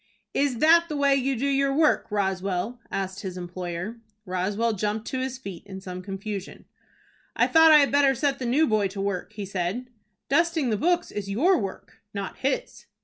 "Is that the way you do your work, Roswell?" asked his employer. Roswell jumped to his feet in some confusion. "I thought I had better set the new boy to work," he said. "Dusting the books is your work, not his."